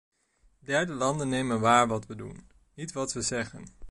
Derde landen nemen waar wat we doen, niet wat we zeggen.